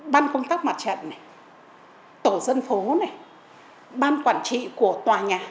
ban công tác mặt trận tổ dân phố ban quản trị của tòa nhà